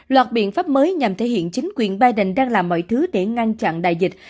loạt biện pháp mới nhằm thể hiện chính quyền biden đang làm mọi thứ để ngăn chặn đại dịch